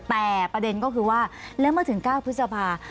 แต่ประเด็นก็คือว่าแล้วเมื่อถึง๙พฤษภา